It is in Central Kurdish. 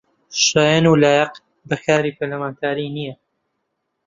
شایەن و لایەق بە کاری پەرلەمانتاری نییە